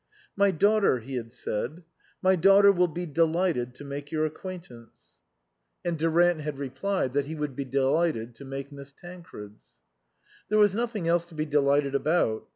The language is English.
" My daughter," he had said, " my daughter will be delighted to make your acquaintance." 5 THE COSMOPOLITAN And Durant had replied that he would be de lighted to make Miss Tancred's. There was nothing else to be delighted about.